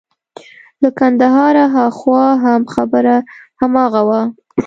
له کندهاره هاخوا هم خبره هماغه وه.